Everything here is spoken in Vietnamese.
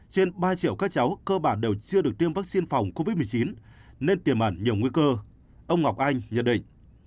trên ba triệu các cháu cơ bản đều chưa được tiêm vaccine phòng covid một mươi chín nên tiềm ẩn nhiều nguy cơ ông ngọc anh nhận định